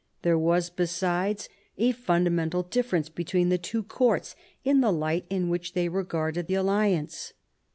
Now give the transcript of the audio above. There was, besides, a fundamental difference between the two courts, in the light in which they regarded the alliance.